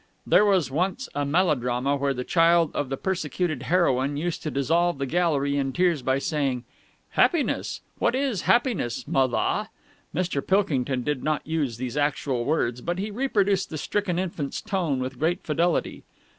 There was once a melodrama where the child of the persecuted heroine used to dissolve the gallery in tears by saying "Happiness? What is happiness, moth aw?" Mr. Pilkington did not use these actual words, but he reproduced the stricken infant's tone with great fidelity.